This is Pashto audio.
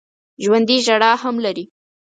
ژوندي ژړا هم لري